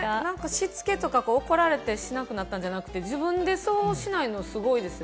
しつけとか、怒られてしなくなったんじゃなくて、自分でそうしないのすごいですね。